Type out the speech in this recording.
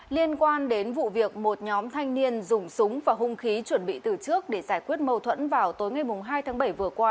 liên quan đến vụ việc một nhóm thanh niên dùng súng và hung khí chuẩn bị từ trước để giải quyết mâu thuẫn vào tối ngày hai tháng bảy vừa qua